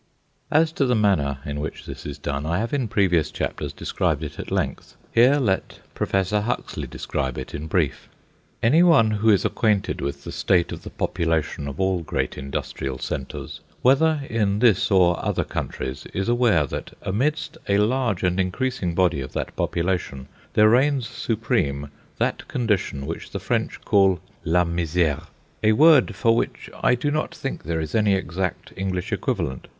As to the manner in which this is done, I have in previous chapters described it at length; here let Professor Huxley describe it in brief:— "Any one who is acquainted with the state of the population of all great industrial centres, whether in this or other countries, is aware that amidst a large and increasing body of that population there reigns supreme ... that condition which the French call la misère, a word for which I do not think there is any exact English equivalent.